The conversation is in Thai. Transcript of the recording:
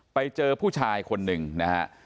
ไปเจอผู้ชายคนหนึ่งนะฮะ